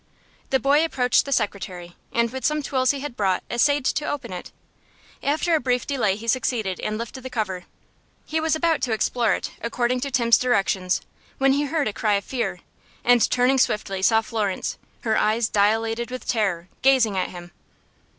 The boy approached the secretary, and with some tools he had brought essayed to open it. After a brief delay he succeeded, and lifted the cover. He was about to explore it, according to Tim's directions, when he heard a cry of fear, and turning swiftly saw Florence, her eyes dilated with terror, gazing at him.